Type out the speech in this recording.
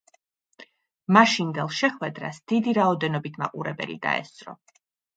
მაშინდელ შეხვედრას დიდი რაოდენობით მაყურებელი დაესწრო.